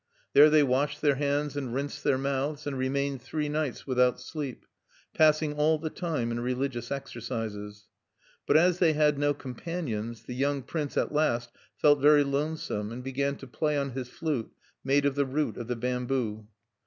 There they washed their hands and rinsed their mouths, and remained three nights without sleep, passing all the time in religious exercises. But as they had no companions, the young prince at last felt very lonesome, and began to play on his flute, made of the root of the bamboo.